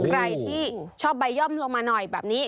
ใครที่ชอบใบย่อมลงมาหน่อยแบบนี้